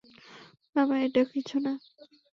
বাবা-- -এটা কিছু না।